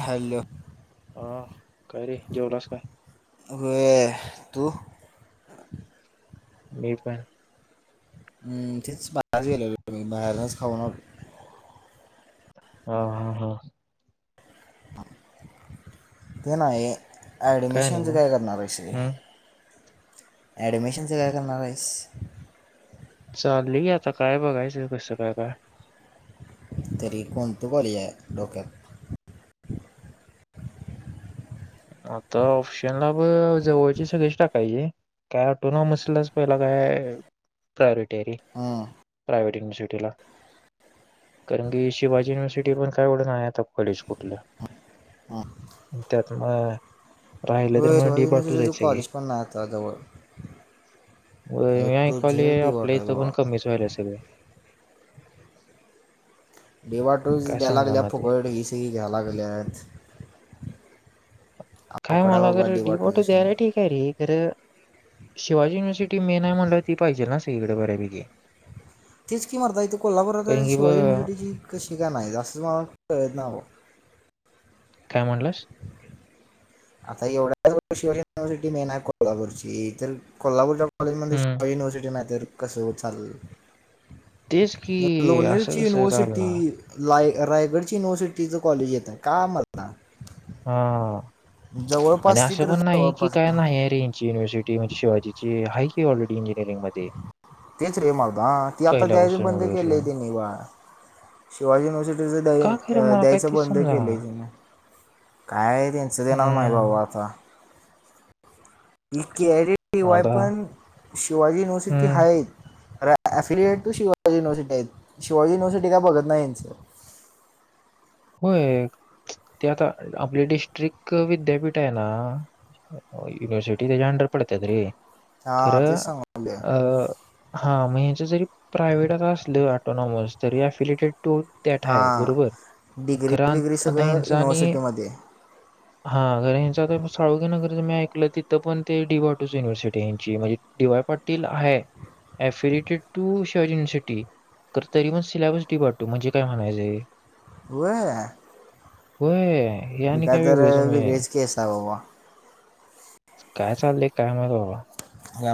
Hello हा काय रे जेवलास काय दु म पण हम्म तेच बाहेरच गेले म बाहेरच खाऊन आलो हा हा ते नाही. नाही ऍडमिशनच मग काय करणार हम्म [unintelligible] ॲडमिशनचं काय करणार आहेस चाली याता काय बघसायचं कस काय काय तरी कोणतं कॉलेज आहे डोक्यात आता ऑप्शनला ब जवळचे सगळेच टाकायची काय वाटो ना मसलच पहिला काय प्रायरिटरी हम्म. प्रायवेट सिटीला कारण की शिवाजी युनिव्हर्सिटी पण काय एव्हढं नाही आता कडेच कुठल्य त्यात म राहिलं तर होय मडी शिवाजी बाटू जायच युनिव्हर्सिटीचं कॉलेज पण नाही आता जवळ [unintelligible] ए मी टू ऐकाल झेड डी आपल्या वाटर इथं पण बाबा कमीच व्हायल [inaudible] डेवा टूज द्याय लागल्या फुकळ ए सी घ्यायला लागल्यात काय अवकडा मला बाबा अगर डी वाटोचं डिमोटी शेंगा द्यायला ठीक आहे रे खर शिवाजी युनिव्हर्सिटी मे नाही म्हणलं ती पाहिजे ना सगळीकडे बऱ्यापैकीे तेच की म्हणतात इथे कोल्हापूरात शिवाजी युनिव्हर्सिटीची कशी का नाही असं मला कळत नाव काय म्हणालास आता एवढ्याच शिवाजी युनिव्हर्सिटी मेन आहे कोल्हापूरची तर कोल्हापूरच्या कॉलेजमध्ये हम्म शा युनिव्हर्सिटी नाहीतर कसं चाललं तेच की असं लोनेलची कसं युनिवर्सिटी चालणार लाय रायगडच्या युनिव्हर्सिटीचं कॉलेज येतं का मल्ला हा आणि ती असं तर पण नाही की जवळपास काय नाही अरे यांची युनिव्हर्सिटी म्हणजे शिवाजीची हाय कि ऑलरडी इंजिअरिंग मध्ये तेच रे मगदा ती आता द्यायचे पहिल्यापासून बंद एवढे वर्ष केलेय [unintelligible] शिवाजी युनिव्हर्सिटीचं का खरं द्या मला काय द्यायचं तेच बंद समजा केलंय [unintelligible] हम्म [unintelligible] इ केरटी वाय आता पण शिवाजी युनिव्हर्सिटी हम्म हय र अफिएट टू शिवाजी युनिव्हसिटी आहेत शिवाजी युनिव्हर्सिटी का बघत नाहीच होय ते आता आपले डिस्ट्रिक विद्यापीठ आहे ना युनिवर्सिटी तेच्या अंडर पडतात रे हां खरं तेच सांगले अ हा [unintelligible] जरी प्रायव्हेट अस टोनॉमस तरी अफिलेटेड [unintelligible] हां बरोबर डिग्री घर बिग्री आता सगळं हिंसानी युनिव्हर्सिटीमध्ये हा घर हिंसा [unintelligible] मी ऐकलं तिथं पण ते डीवाूस युनवर्सिटी यांची म्हणजे डी वाय पाटील आहे. इ्फेरेटेट टू शिवाजी युनिव्हर्सिटी तर तरी मण सिलेबस डिबटतो म्हणजे काय म्हणायचं वय होय मी काय तर वेगळीच केस [unintelligible] आहे बाबा काय चाललंय काय माहित बाबा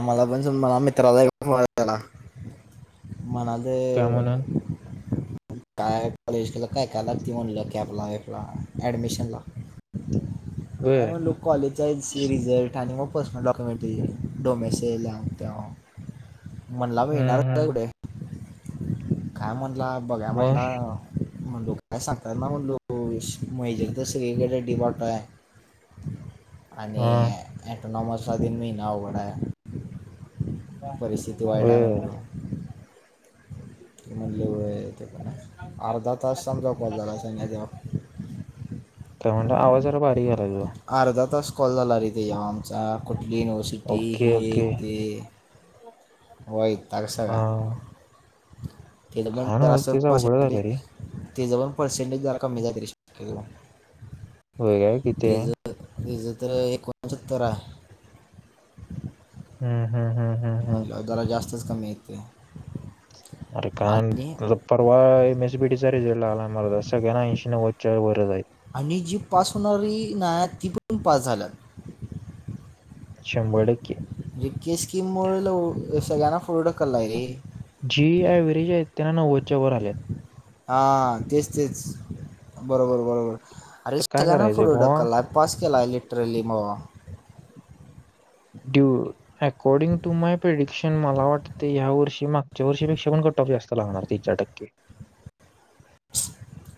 मला पण मला मित्राला [unintelligible] काय म्हणाले म्हणून? काय कॉलेज केलं काय काय लागती म्हणलं कॅपला व्यम्पला ऍडमिशन ला [unintelligible] आणि होय. म्हणलो कॉलेजचा रिझल्ट आणि मग पर्सनल डॉक्युमेंटरी [unintelligible] डोमेसेल्या ह्यावं त्याव हं, हं. [unintelligible] काय म्हणला बघाय मग? म्हणला [inaudible] [unintelligible] आणि हां. ऍटोनॉमस स्वाधीन मी नाव लई अवघड आहे आहे परिस्थिती वाईट आहे होय. म्हणल म्हणले व ते अर्धा तास सम जाऊप झाला सग्या जा काय म्हणलं आवाज जरा भारी झाला त स्कॉल झाला त इथे याऊ आमचा कुठली युनिव्हर्सिटी ओके, हे ओके. तेे वय तग सग हा पण खान जरा अस मस्तीचा अवघड झालं रे पसेंटच पण पर्सेंटेज जरा कमीक वगैरे किती आहे एकज तर एकोणसत्तरा हम् म्ह जरा जास्तच कमी येते अरे का आणि परर्वा मेसपीटच र जेलाला म जसं ना ऐंशी वच्या बरं जाई आणि जी पास होणारी नाही ती पण पास झाल्या शंभर टके रिक्की स्कीम मुळे सगळ्यांना... पुढं ढकललाय रे जी अव्हरेज आहेत त्यांना नव्वदच्या वर आल्यात.. हा तेच तेच बरोबर बरोबर.. अरे तर काय सगळ्यांना करायचं पुढे भावा ढकलला पास केला लिटरली म.. due according to my prediction मला वाटते या वर्षी मागच्या वर्षीपेक्षा पण... कटऑफ जास्त लागणार तीन चार टक्के..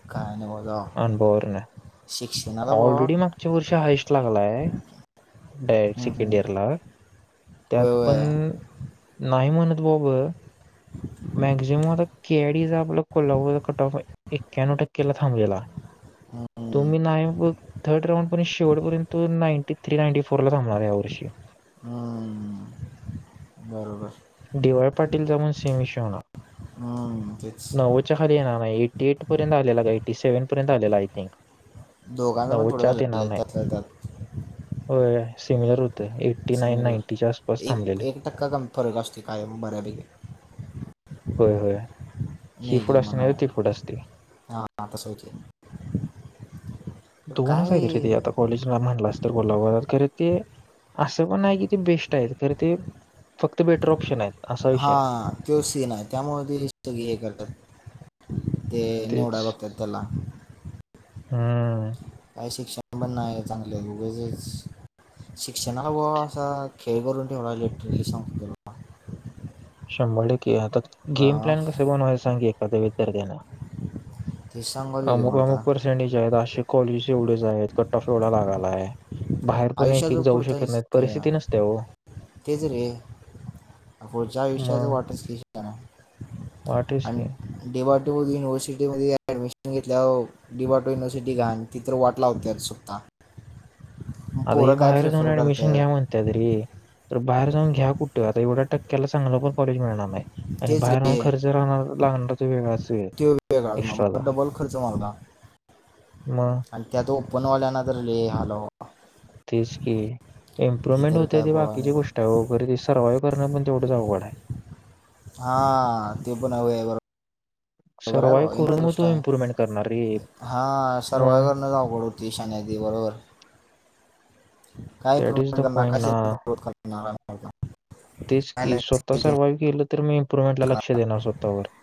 का वा.. अन बर ना बाबा ऑलरेडी मागच्या वर्ष हाईस्ट लागलाय.. डायरेक्ट हम्म, सेकंड हम्म. इयरला होय त्यात पण होय नाही म्हणत... बोब... मॅक्झिमम आता कॅडीचा आपला कोला कट ऑफ एक्यानव टक्केला थांबलेला... तुम्ही नाही थर्ड रांउड पर्य शेवटपर्यंत नाटी थ्री नाईंटी फोर ला थांबणार या वर्षी... हम्म. बरोबर डी वाय पाटील जाऊन हम्म, तेच नव्वद च्या खाली येणार नाही ऐटीएट पर्यंत आलेला का... सेव्हन पर्यंत आलेला आय थिंक.. दोघांना पण थोडं नव्वदच्या आत येणार चाल नाही त्यातात.. होय सिमिलर होतं एट्टी नाईन नाईन्टीच्या आसपास एक थांबलेले एक टक्का कमी फरक असते काय.. मऱ्या ब ग होय हो... हि फुट मेजर असते म्हणा नाही तर ती फुट असते... हां तसं होते दोनच काय आहे त रे ते आता कॉलेजला म्हटलं अस तर बोलाव.. ते असं पण आहे कि ते बेस्ट आहेत खर ते.. फक्त बेटर ऑप्शन आहेत असा विषय हा आहे तो सीन आहे त्यामुळे ति सगळी हे करतात... ते तेच निवडा बघतात त्याला... हम्म... काय शिक्षण पण नाही चांगले वजेच.. शिक्षनाचा असा खेळ करून ठेवला लिटरली सं... शंभर टक्के आता गेम प्लॅन बाप कस बनवाय सांगी एखाद्या विद्यार्थ्याना.... ते सांगायला [unintelligible] गेले अमुक मला अमुक आता पर्सेंटेज आहेत असे कॉलेज एवढेच आहेत कट ऑफ एवढा लागाला आहे.. बाहेर पण एक आयुष्याचा एक जाऊ पुढत आहे शकत नाहीत परिस्थिती नसते हो तेच रे पु... विषयाच मग वाट अस वाटेच की आणि डेवा युनिव्हर्सिटी... ऍडमिशन घेतल्यावर डी वाय युनिव्हर्सिटी घेतल तर वाटला होत्या सुपता... [unintelligible] आता ही बाहेर जाऊन ऍडमिशन घ्या करतात म्हणते तरी तर बाहेर जाऊन घ्या कुठे आता एवढा.. टक्क्याला चांगलं पण कॉलेज मिळणार नाही आणि तेच बाहेरून रे खर्च राहणार लागणार वेगळाच.. ढ एक्स्ट्राचा डबल खर्च मागला... मग... ओपनवल्या ना तर लय हाल... तेच की हे इम्प्रुव्हमेंट तर होत त काय ते बोला बाकीची नको गोष्ट आहे वगैरे सव्हाईव करण पण जाऊड हा ते पण ह सर्वाईव्ह करून मग बरोबररोबर तो आहे. इम्प्रुव्हमेंट करणार रे. हा सर्वाय मग करण आवघड होती शान्या बरोबर.. कायें दॅट इज द पॉइंट कर ना. तेच की स्वतः सर्वाइव्ह केलं तर मी इम्प्रुवमेंट ला लक्ष देणार स्वतःवर.. [inaudible]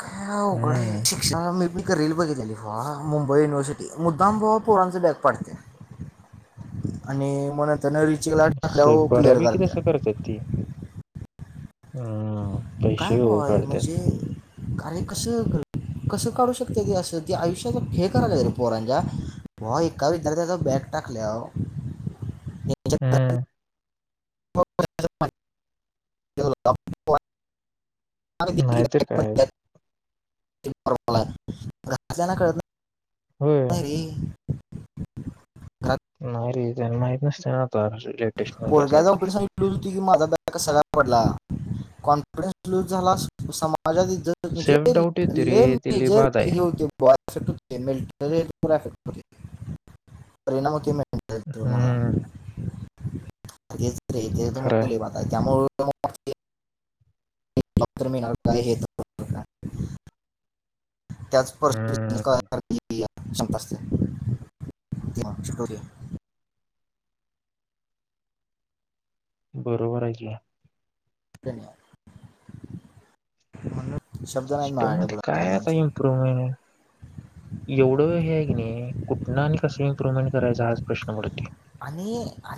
काय अवघड आहे हं. शिक्षणा म भी एक रील बघितली व मुंबई युनिव्हर्सिटी मुद्दाम भावा पोरांचे बॅग पाडते.. आणि म्हण.. त्या न रिचिकला टाकल्या व असं क्लिअर बऱ्यापैकी करत्या... तसं करतात ती. हं. काय पैसे हो पय काढतात. म्हणजे कार्य कसं कसं काडु श असी आयुष्या फे कराय रे पोरांच्या व एका विदथ त्याचा बॅग टाकल्याव हम्म. [unintelligible] नाहीतर काय. [unintelligible] [unintelligible] होय. [inaudible] नाही रे जन मा नत [unintelligible] पोरग्या जा पिडसट लज होती की माझा बॅग क ससारा पडला. कॉन्फरन्सलू झाला सेल्फ डाऊट येतो रे ते लई बाद आहे. [unintelligible] [unintelligible] परिणाम क मिळ तुम्हाला हं. आणि [unintelligible] खरं आहे. [unintelligible] त्याच हं. [unintelligible] [unintelligible] बरोबर आहे की म्हण सिस्टम मध्ये काय आता इम्प्रुवमेंट एवढं हे आहे की नाही कुठन आणि कसं इम्प्रुव्हमेंट करायच हाच प्रश्न पड आणि आ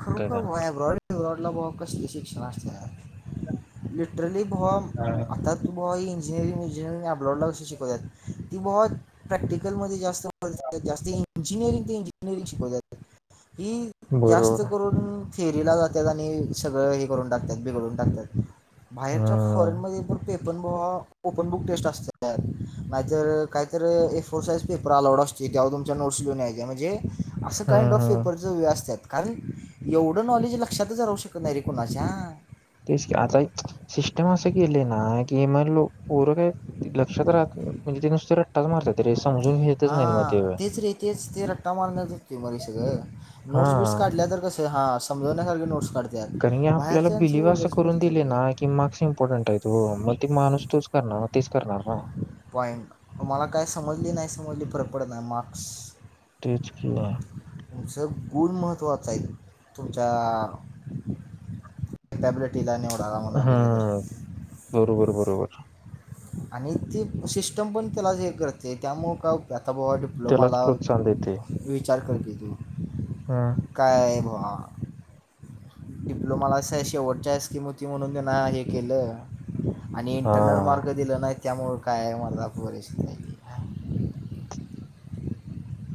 खरो काय का खरया ब्रॉड ब्रॉड ला बॉ कसे शिक्षण असत्यात लिटरली बुवा हा. आता बॉ ईन इंजिनिअरिंग इंजिनिअरिंग अपलॉडला कशी शिकवतात की बॉ प्रॅक्टिकलमध्ये जास्त जास्त इंजिनिअरिंग ते इंजिनिअरिंग शिकव जातात. ही जास्त बरोबर करून थेरीला जातात आणि सगळं हे करून टाकतात बिघडून टाकतात. बाहेरच्या हम्म फॉरेन मध्ये पण पेपर बॉ ओपन बुक टेस्ट असत्या नाहीतर काहीतरी A four size paper allowed असते त्या मग तुमच्या नोट्स घेऊन यायच्या म्हणजे आ काइंड हम्म ऑफ हम्म. पेपरच वे असतात कारण एवढं नॉलेज लक्षातच राहू शकत नाही रे कोणाच्या तेच आता सिस्टम असं केले ना की मण लो परंक आहे लक्षात राहत म्हणजे ते नुसत काहीतरी चांगलं हा तेच रे तेच ते रट्टा मारण जते मा सगळं हा नोट्स बीट्स काढल्या तर कस ते हां समजो ना कर ग नोट्स काढते कारण की आपल्याला बिलीव्ह असं करून दिले रे ना की मार्क्स इम्पॉर्टंट आहेत हो मग ते माणूस तोच करणार तेच करणार ना पॉईंट मला काय समजली नाही समजली परर पडत नाही मार्क्स तेच किला तु गुण महत्वाचा आहे तुमच्या टॅबलेट तिला निवडाला म्हणा गेलं तर हम्म बरोबर बरोबर आणि ते सिस्टम पण त्याला हे करते त्यामुं का आता बबा त्यालाच डिप्लोमाला प्रोत्साहन देते विचार करते तू हम्म काय आहे म कवा डिप्लोमाला अस शेवटच्या स्कीम होती म्हणून त्यांना हे केलं आणि हा इंटरनल मार्क दिले नाहीत त्यामुळे काय आहे मझ परिस्थित आहे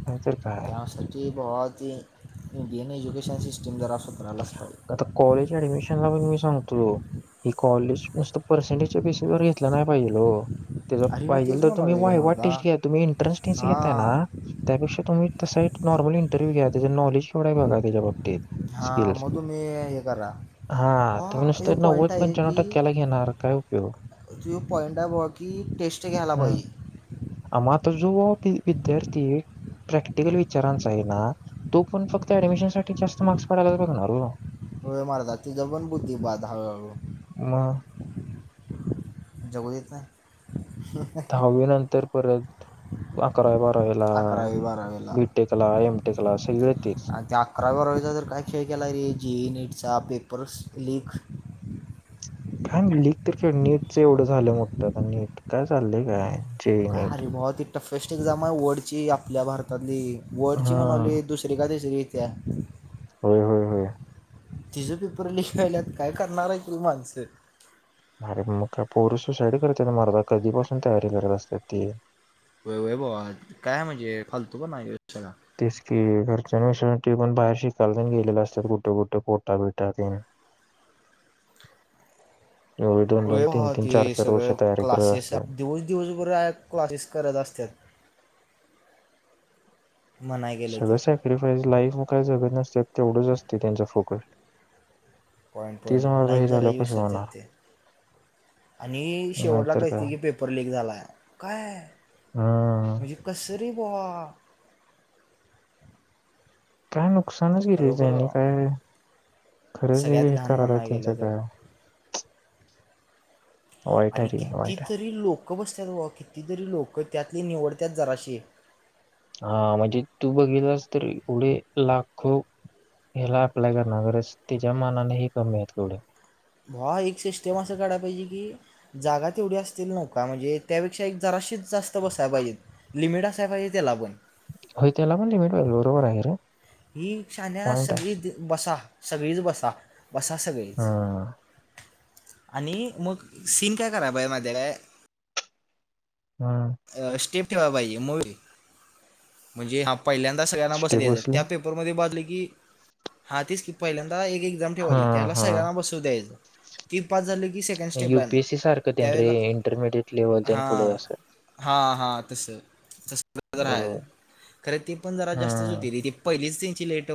अ ते काय बहत ह इ बिन एजुकेशन सस्टम जरा असत आता कॉलेज ऍडमिशन ला पण मी सांगतो ही कॉलेज मस्त पर्सेंटेजच्या बेसिस वर घेतला नाही पाहिजेल त्या अरे मी पाहिजे तेच तर तुम्ही म्हणालो रे वायवाट मर्दा टेस्ट घ्या तुम्ही एंट्रन्स टेस्ट घेताय ना हां त्यापेक्षा तुम्ही त नॉर्मल इंटरव्ह्यू घ्या त्या नॉलेज केवढा बघा त्याच्या बाबतीत हां स्किल्स मग तुम्ही हे करा हा तुम्ही नुसत ह्यो नव्व पॉईंट पंच्या्व टक्क्याला घेणार काय उपयोग त पॉइंट आहे ब की टेस्ट घ्यायला पाहिज आम तर जव विद्यार्थी एक प्रॅक्टिकल विचारांचा आहे ना तो पण फक्त ऍडमिशन साठी जास्त मार्क्स पाडायलाच लागणार हो हळ मारतात ती ज बनबुती बाद हळूहळू मग जगू देत दहावी नंतर परत अकराव बाराव्याला अकरावी बारावीला बीटेकला एमटेकला सगळ तेच चा तर काय खेळ केला रे जी नटचा पेपर्स लीग काय नाही लीक तर खेळ नीटच एवढं झालं मोठतं आ नीट काय चाललंय काय जेई का नीट हरभव ती टफेस्ट एदाा वडची आपल्या भारतात आणि वर्डची हा म्हणाली दुसरी का तसरी इथे होय होय होय तिझ पेपर लिख राहिलात काय करणार आहे तु माणसं अरे मग का पोर सुसाईड करतात मरदा कधीपासून तयारी करत असतात ती ब काय म्हणजे खालतो प नाही तेच कि घरच्याविषयी पण बाहेर शिकाला गेलेले असतात कुठे कुठे पोटा बिटाात [inaudible] व म ते सगळ तयारी करत क्लासेस असतात दिवस दिवसभर क्लासेस करत असतात [inaudible] म्हणाय गेलं तर सगळं सॅक्रिफाईस लाईफ म काय सगं नसत तेवढंच असते त्यांचा फोकस पॉइंट तेच पॉंट मर्दा लाईफ हे जा काही झाल्यावर कसं विसरध होणार ते आणि शेवटला नाहीतर काय कहीते की पेपर क झालाय काय हम्म परभवा काय नुकसानच गरेचनी काय खरंच सगळ्यात हे घाण कात आहे म्हणाय तुमचं गेलं तर काय वाईट आहे आणि रे किती वाईट आहे. तरी लोक क बसत्यात व कितीतरी लोक त्यातली निवडत्याच जराशी हा म्हणजे तू बघितलास तर एवढे लाखो ह्याला अप्लाय करणार गरज तिच्या मनाने ह कमी आहेत कवढ्या व एक सिस्टम असं काढयला पाहिजे की जागा तेवढी असतील नवका म्हणजे त्यापेक्षा एक जराशीच जास्त बसा बाहिज लिमिट असाय पाहिजे त्याला पण हो त्याला पण लिमिटवाल बरोबर आहे रे. ही शाज पॉईंट आहे. सगळीच बसा सगळीच बसा. बसा सगळीच. हम्म आणि मग सीन काय करा बा आहे काय हम्म स्टिप ठेवा बाई मूवी म्हणजे हा पहिल्यांदा सगळ्यांना बसत स्टेप यायचं बसली त्या पेपरमध्ये बजले की हा तेच की पहिल्यांदा आता एक एक्झाम हा ठेवायची त्याला हा सगळ्यांना बसू द्यायचं ती पास झालं की की सेकंड स्टेपला ना युपीएससी सारखं त्यां रे त्यावेळेला इंटरमिडिएट लेव्हल त्यां पुढे हां. असं हां हां तसं. त राल बरोबर खरं ते पण जरा जास्तच हम्म होतीलथे पहिलीच त्यांची लेट